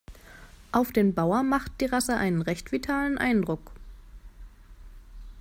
Auf den Bauer macht die Rasse einen recht vitalen Eindruck.